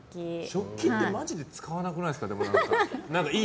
食器ってマジで使わなくないですか？